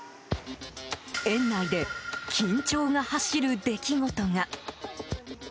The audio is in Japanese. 園内で緊張が走る出来事が。